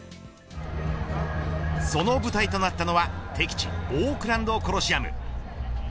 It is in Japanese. その舞台となったのは敵地オークランドコロシアム。